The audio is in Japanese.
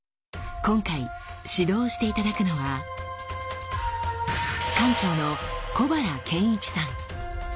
今回指導して頂くのは館長の小原憲一さん。